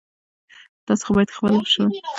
تاسو باید له خپلو مشرانو سره ادب وکړئ.